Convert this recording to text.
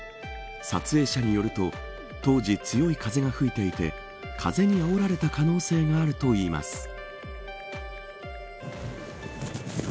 撮影者によると当時、強い風が吹いていて風にあおられた可能性があるといいます。